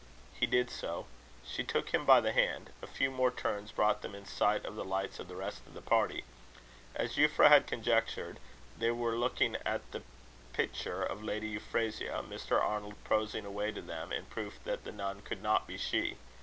He did so. She took him by the hand. A few more turns brought them in sight of the lights of the rest of the party. As Euphra had conjectured, they were looking at the picture of Lady Euphrasia, Mr. Arnold prosing away to them, in proof that the nun could not be she.